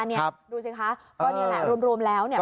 ดูสิคะก็นี่แหละรวมแล้ว